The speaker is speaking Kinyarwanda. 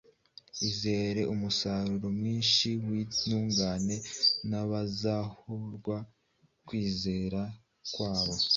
izera umusaruro mwinshi w’intungane n’abazahorwa ukwizera kwabo.